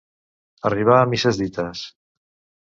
Arribar a misses dites.